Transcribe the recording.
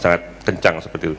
sangat kencang seperti itu